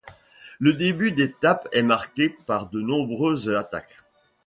Le début d'étape est marqué par de nombreuses attaques.